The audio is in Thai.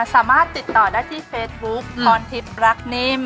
สามารถติดต่อได้ที่เฟซบุ๊คพรทิพย์รักนิ่ม